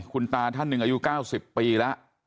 คุณตาท่านหนึ่งอายุ๙๐ปีแล้ว